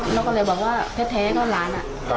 แล้วก็เลยบอกว่าแพทย์แท้ก้อนหลานอ่ะ